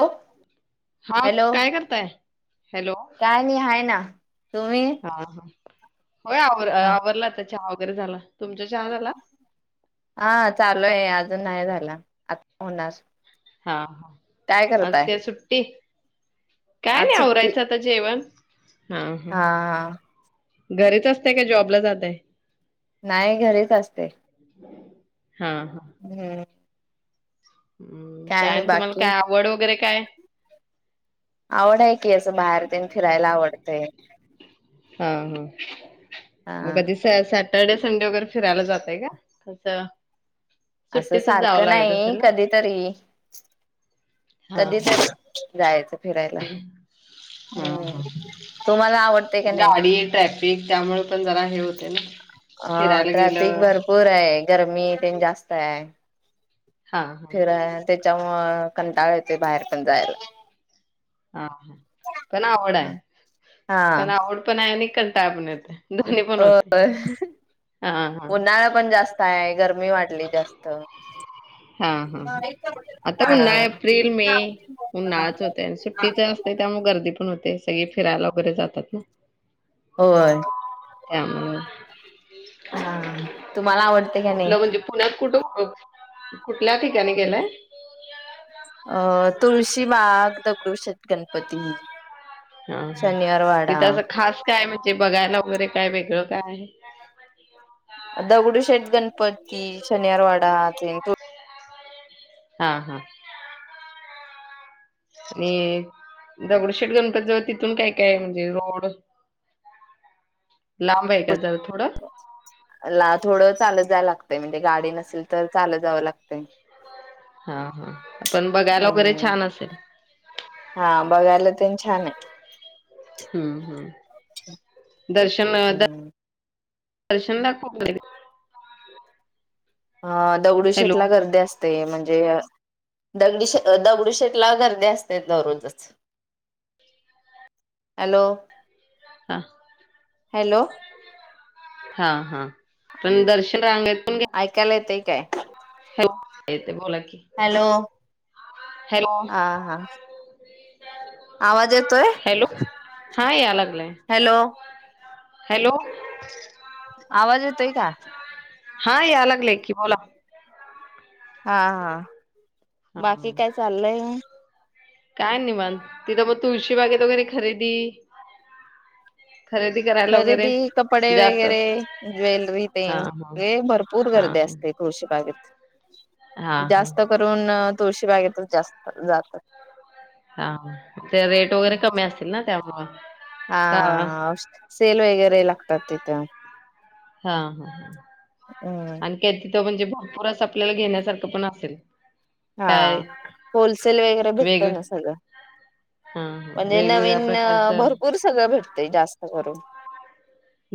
Hello हा hello काय करताय हॅलो काय नाही आहे ना तुम्ही ह हा होय आ आवरला आता चहा वगैरे झाला तुमचा चहा झाला चालू आहे अजून नाही झाला, आता होणार. हा हा काय आज करताय काय सुट्टी काय आज नाही सुट्टी आवरायचं आता जेवण हा ह घरीच असते का जॉबला जातंय नाही घरीच असते हा हा हम्म काय नाही आणि बाकी तुम्हाला आवड वगैरे काय आवड आहे की असं बाहेर दे येन फिरायला आवडतंय हा हा हा मग दिसायला साधी सटर्डे संडे वगैरे फिरायला जातय का तसं असं सारखं नाही असेल ना? कधीतरी हा कधीतरी हा जायचं फिरायला हा हम्म हा तुम्हाला आवडते का नाही? गाडी ट्रॅफिक त्यामुळे पण जरा हे होते ना फिरायला गेलंकी फि गरमी ते जास्त आहे, हा हा फिराया त्याच्या मुळे कंटाळ येत बाहेर पण जायला त हा हा पण आवड आहे हा पण आवड पण आहे निकलताय आपण येत हो हां हां. उन्हाळा पण जास्त आहे गरमी वाढली जास्त हा हा हा आता हा पुन्हा एप्रिल मे ऊन्हाळाच होते आणि सुट्टीच हाफ त्यामुळे गर्दी पण होतेच सगळी फिरायला वगैरे जातात ना होय त्यामुळे हा तुम्हाला आवडते का नाही? कुठलं म्हणजे पुण्यात कुठ, कुठल्या ठिकाणी गेलाय? अ तुळशी बाग दगडू शेट गणपती हां हां. शनिवार वाडा तिथं असं खास काय म्हणजे बघायला वैगरे काय वेगळकाय काय आहे [unintelligible] दगडू शेेट गणपती शनिवारवाडा ते दोन हा हा आणि दगडूशेठ गणपती जवळ तिथून काय काय आहे म्हणजे रोड लांब आहे का जरा थोडं ला थोडं चालत जाव लागतंय म्हणजे गाडी नसेल तर चाल तजावं लागतय हा हा पण बघायला वगैरे हम्म छान असेल हा बघायला ते छान आहे हम्म हम्म दर्शन द हम्म दर्शनला खुप गर्दी [unintelligible] हा अ दगडू हॅलो शेटला गर्दी असते म्हणजे दगडी शे दगडूशेटला गर्दी असते दररोजचं हॅलो! हा हॅलो! हा हा पण दर्शन रांगेत पण घे ऐकायला येतय काय? हो येतेय बोला की हॅलो! हॅलो! हा हा आवाज येतोय? हॅलो! हा याय लागलाय... हॅलो!...... हॅलो आवाज येतोय का? हा याय लागला की, बोला हा, हा...... हा बाकी काय चाललंय? काय, निवांत तिथं मग तुळशी बागेत वगैरे खरेदी? खरेदी करायला वगैरे खरेदी, कपडे जास्त वगैरे, अस ज्वेलरी... हा तेन लय हा भरपूर... पूर हा गर्दी हा असते. तुळशी बागेत, हा हा जास्त करून तुळशी बागेतच जास्त जातात... हा, ते रेट वगैरे कमी असतील ना, त्यामुळे? आ, सेल वगैरे लागतात तिथं... हा हा हा... हं एक तिथं म्हणजे भरपूरच अस आपल्याला घेण्यासारखं पण असेल... हा.. काय होलसेल वगैरे वेग भेटतं ना सगळं? हा हा म्हणजे वेगवेगळ्या नवीन प्रकारचं भरपूर सगळं भेटतंय, जास्त करून...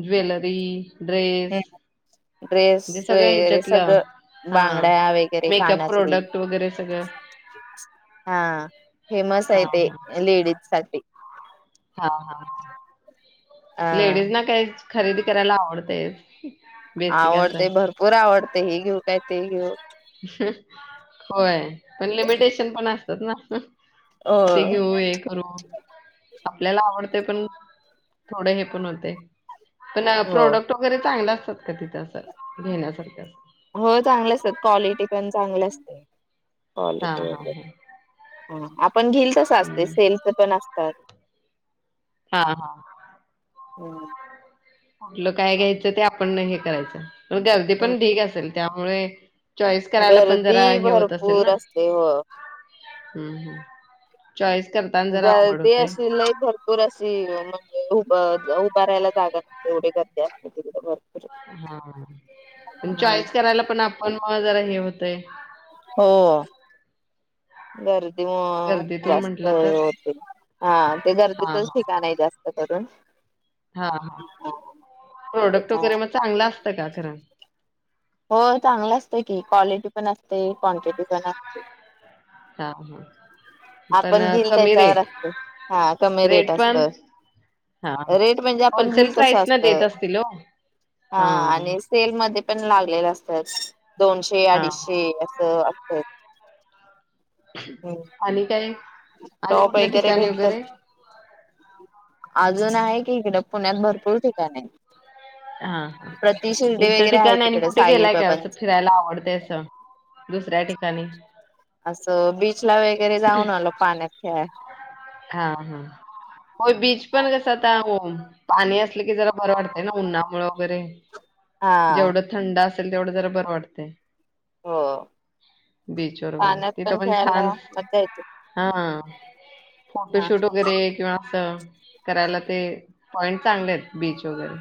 ज्वेलरी, ड्रेस..... ड्रेस म्हणजे सगळं वगैरे ह्याच्यातलं सगळं हा बांगड्या वगैरे, मेकअप कानातले प्रोडक्ट वगैरे सगळं हा, फेमसाय हा ते हा लेडीजसाठी हा हा, अ लेडीज ना काय खरेदी करायला आवडतंयच आवडतय, भरपूर आवडतय, हे घेऊ काय, ते घेऊ होय, पण लिमिटेशन पण असतात ना? हो ते घेऊ... होय, करू... आपल्याला आवडतंय, पण थोडं हे पण होतंय, पण हो प्रोडक्... क, वगैरे चांगला असतात का? तिथं असं घेण्यासारखं असं? होय, चांगले असतात, क्वालिटी पण चांगली असते. हा क्वालिटी हा वगैरे, हा हा आपण घेईल तसं असतंय, हम्म सेलचं पण अस तात [unintelligible] हा, हा हं कुठलं काय घ्यायचं, ते आपण हे करायचं, पण गर्दी पण ढिग असेल, त्यामुळे चॉईस करायला पण जरा गर्दी हे होत असेल भरपूर ना? असते हो हं हं चॉइस करता गर्दी अशी लय भरपूर अशी, म्हणजे उभं उभा राहायला जागा नसते, एवढी गर्दी असते तिकडं, भर... हा पण चॉईस करायला पण, आपण मग जरा हे होतंय हो गर्दी गर्दीतून जास्त म्हंटलं तर होते हा ते हा गर्दीतच ठिकाण आहे जास्त करण हा, हा... प्रोडक्ट वगैरे त्याच्यामुळं. मग चांगलं असतं का खरं? हो, चांगलं असतय की, क्वालिटी पण असतय, क्वांटिटी पण असते. हा हा पण आपण घेईल, कमी त्यांच्यावर रेट असतं, हा कमी रेट असत. हा हा रेट म्हणजे आपण घेई होलसेल तसं प्राइस न असत,....... देत असतील ओ हा आणि सेल मध्ये पण लागलेले असतं दोनशे हा अडीचशे असं असत. आणि काय? आणि टॉप कुठल्या वगैरे ठिकाणी भेटतात. वगैरे अजून आहे की इकड पुण्यात भरपूर ठिकाण आहे. हा हा प्रति शिंदे इतर वगैरे आहे ठिकाण आणि तिकडे कुठे गेलाय काय असं साईबाबांच. फिरायला आवडते असं दुसऱ्या ठिकाणी. असं बिचला वगैरे जाऊन आलो पाण्यात खेळा हा हा होय बीच पण कसं आता पाणी असलं की जरा बरं वाटतंय ना उन्हामुळे वगैरे हा जेवढं थंड असेल तेवढं जरा बरं वाटते. हो. बीच वर वगैरे पाण्यात तिथं पण छान खेळायला मज्जा येते. हा हा. फोटोशूट वगैरे किंवा अस करायला ते पॉईंट चांगले आहेत बीच वगैरे.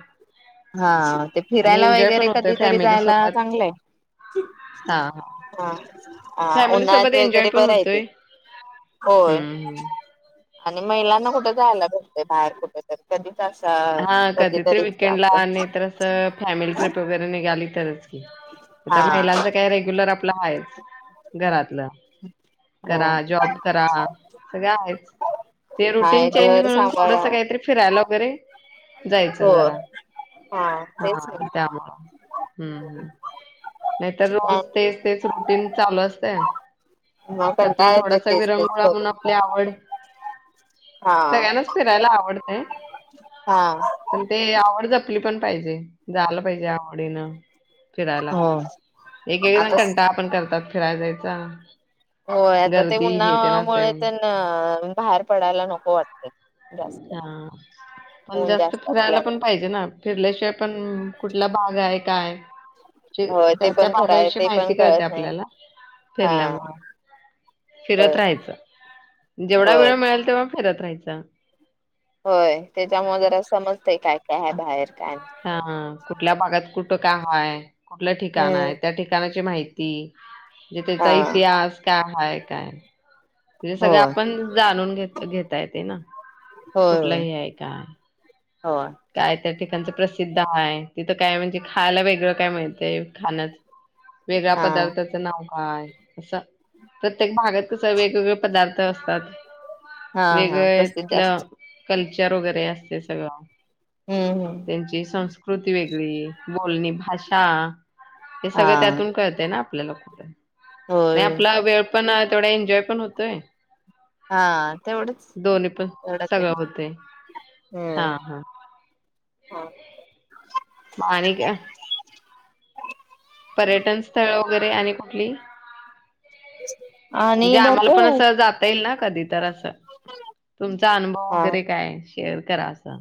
हा ते आणि फिरायला एन्जॉय पण वगैरे होतोय कधीतरी फॅमिली जायला सोबत चांगलंय. हा आ फॅमिली सोबत उन्हाळ्यात एन्जॉय वगैरे पण बरं आहे ते. होतोय होय हम्म हम्म आणि महिलांना कुठे जायला भेटते बाहेर कुठेतरी कधीच अस कधीतरी त फॉमिली ट्रिप वैगेरे निघाली तरच की, त हा महिलांच काय रेग्युलर आपल आहेच घरातलं हो करा, जॉब करा सगळं आहेच, ते रुटीन हाय चेंज घर म्हणून सांभाळा थोडंसं काहीतरी फिरायला वगैरे जायचं हो जरा हा त्यामुळं. हम्म हम्म नाहीतर ना रोज तेच तेच रुटीन चालू असतय मग त्यातून कंटाळा येतोय थोडासा तेच तेच विरंगुळा म्हणून करून आपली पण. आवड हा सगळ्यांनाच फिरायला आवडतंय. हा पण ते आवड जपली पण पाहिजे जायला पाहिजे आवडीनं. फिरायला हो एक एक जण आता कंटाळा पण करतात फिरायला जायचा. होय आता ते गर्दी हे ते असतंय उन्हामुळे तेन म्हणून बाहेर पडायला नको वाटते. जास्त हा पण ऊन जास्त फिरायला असल्यामुळे पण पाहिजे ना फिरल्याशिवाय पण कुठला भाग आहे काय म्हणजे होय ते त्या त्या पण खरं आहे भागाविषयी ते पण माहिती कळते कळत नाही. आपल्याला हा फिरल्यामुंळ होय फिरत राहायचं, जेवढा होय वेळ मिळेल तेव्हा फिरत राहायचं. होय त्यांच्यामुळे जरा समजतय काय काय आहे बाहेर काय ना हा कुठल्या भागात कुठं काय हाय? कुठल्या नाही. ठिकाण हम्म हाय? त्या ठिकाणाची माहिती जे त्याचा हा इतिहास काय हाय काय? ते सगळं होय आपण जाणून घेत घेता येते ना कुठलं हे आहे काय? हो काय त्या ठिकाणच प्रसिद्ध आहे? काय म्हणजे खायला वेगळं काय मिळतंय? खायचं वेगळ्या हा पदार्थाचं नाव का य असं प्रत्येक भागात कस वेगवेगळे पदार्थ असतात. हा हा वेगळ प्रसिद्ध तिथलं असत कल्चर वगैरे असते सगळं. हम्म हम्म त्यांची संस्कृती वेगळी, बोलणी भाषा हे हा सगळं त्यातून कळतं ना आपल्याला कुठ होय नाही होय आपला वेळ पणं तेवडा एन्जॉय पण होतोय. हा तेवढंच दोन्ही पण. तेवढंच सगळं त्यांच होतेय. हा हा. हां. म आणि काय? पर्यटन स्थळं वगरे [inaudible] आणि कुठली? आणि ज्या आमाला भरपूर पण आहेत असं जाता येईल ना कधी तर असं. तुमचा अनुभव हा वगरे कायए? शेअर करा असं.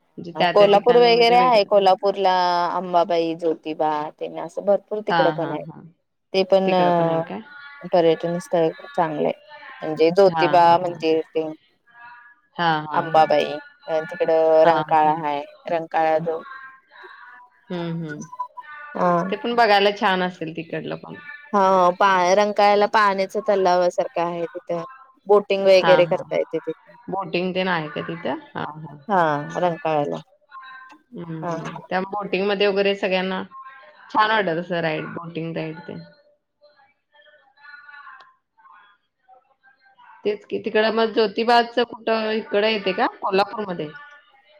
म्हणजे त्या त्या कोल्हापूर ठिकाणी म्हणजे वगेरे आहे. वेगळं कोल्हापूरला अंबाबाई, ज्योतिबा ते ने असं भर पून हा तिकडे हा पणआय. हा ते पण तिकडं आहे काय पर्यटन स्थळे खूप चांगलीय. म्हणजे हा जोतिबा हा हा मंदिर, ते. हा हा हा अंबाबाई, अ तिकडं हा हा रंकाळा हाय रंकाळा जो हं हं, अ ते पण बघायला छान असेल तिकडलं पण. हं पाय रंकाळ्याला पाण्याचं तल्लावा सारखं आहे तिथं. बोटिंग हा वगैरे हा करता येते तिथे बोटिंग ते आहे का तिथं हा हा, रंकाळायला. हम्म, त्यामुळे टिंग मध्ये वगैरे सगळ्यांना छान वाट असं राईड, बॉटिंग राईड ते. तेच की मग ज्योतिब्बाचं कुटं हिकडं येते का? कोल्हापूरमध्ये?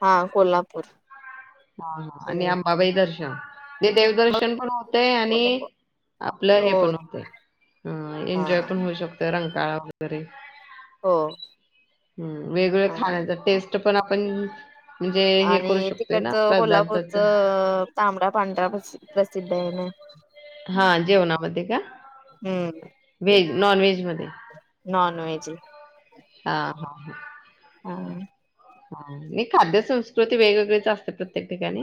हा, कोल्हापूर. हा हा, आणि हम्म आंबाबाई दर्शन. ते देवदर्शन पण होतेय आणि, कोल्हापूर आपलं हो हे पण होतंय. हं, हा एन्जॉय पण होऊ शकतोय रंकाळा वगरे. हो हम्म, वेगळं हा खाण्याचा टेस्ट पण आपण म्हणजे, हे करू शकतोय ना? हो पदार्थाच कोल्हापूरचंअ तांबडा पांढरा र प्रसिद्ध आहे ना. हा, जेवणामध्ये का? व्हेज, नॉन व्हेज मध्ये. नॉनव्हेज ल हा हा हा. हाआ.. ह, ही खाद्य संस्कृती वेगवेगळीच असते प्रत्येक ठिकाणी.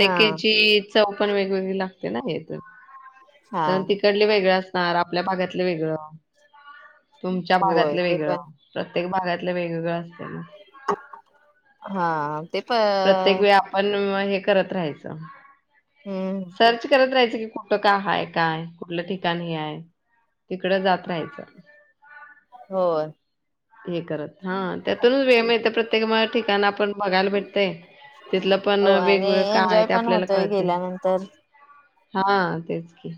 हा चव पण वेगवेगळी लागते ना वेद हा त्यान तिकडले वेगळं असणार. आपल्या बागातलं वेगळं. तुमच्या होय बागातलं ते वेगळं, पण प्रत्येक बागातलं वेगवेगळं असते ना. हाआ प्रत्येक वेळी आपण हे करत राहायचं, हम्म सर्च करत राहायचं की को त काय हाय काय कुटलं ठिकाण हे हाय? तिकडं जात राहायचं. होय. हे करत, हां त्यातूनच वेळ मिळतं प्रत्येक म ठिकाण आपण बघायला भेटतंय. [inaudible] तिथलं पण हो आणि वेगवेगळं काय एन्जॉय ते पण आपल्याला होतोय कळतंय कळतय. गेल्यानंतर [inaudible] हां तेच की.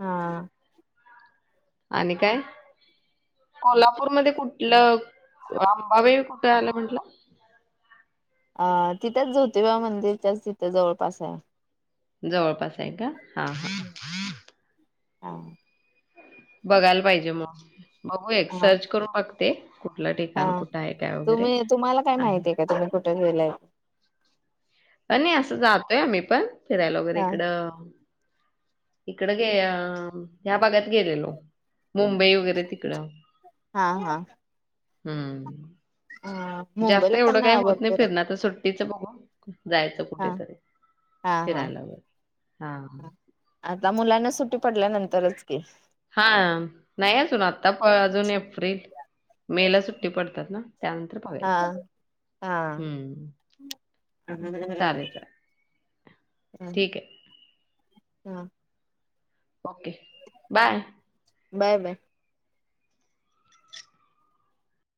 हां. आनी काय? कोल्हापूरमधे कुटलं? अंबाबाई कुटं आलं म्हंटला? अ तिथंच ज्योतिबा मंदिरच्याच तिथं जवळपासय. जवळपास ए का? [inaudible] हां हां. हा बघायला पाहिजे म, बघू एक हा सर्च करून बघ ते कुठलं ठिकाण हा कुठं आहे, काय वगैरे आणि कुठं गेलाय? आणि असं जातोय आम्ही पण फिरायला वगैरे हा इकडं अ इकड गे अ ह्या भागात गेलेलो मुंबई व वगैरे तिकड, हा हम्म हा जास्त मुंबईला एवढं, पण काही होत नाही भरपूर आहे फिरण्याच सोड सुट्टीच बघून जायच, हा कुठेतरी हा हा फिरायला हो, हा. आता मुलांना सुट्टी पडल्यानंतरच की. हा नाही अजून आता प अजून एप्रिल मे ला सुट्टी पडत्यात ना त्या नंतर हा बघायच. हा, चालेल चालेल [unintelligible] ठीक आहे हा ओके, बाय. Bye bye